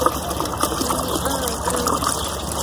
尚不清楚这两个是否为严格子集。